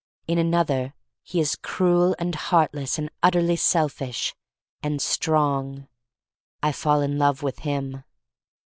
. In another he is cruel and heartless and utterly selfish — and strong. I fall in love with him.